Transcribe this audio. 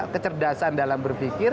kecerdasan dalam berpikir